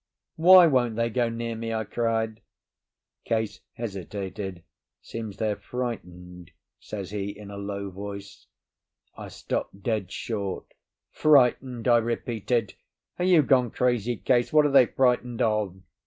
Why won't they go near me?" I cried. Case hesitated. "Seems they're frightened," says he, in a low voice. I stopped dead short. "Frightened?" I repeated. "Are you gone crazy, Case? What are they frightened of?"